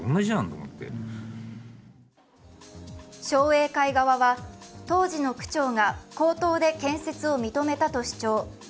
商栄会側は当時の区長が口頭で建設を認めたと主張。